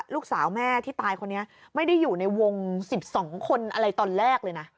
ลูกสาวแม่ที่ตายคนนี้ไม่ได้อยู่ในวง๑๒คนอะไรตอนแรกเลยนะ